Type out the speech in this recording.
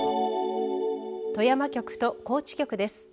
富山局と高知局です。